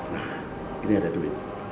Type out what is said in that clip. nah ini ada duit